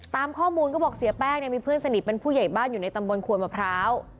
ตามข้อมูลก็บอกเสียแป้งเนี่ยมีเพื่อนสนิทเป็นผู้ใหญ่บ้านอยู่ในตำบลขวนมะพร้าว